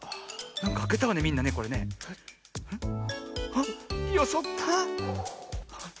あっよそった。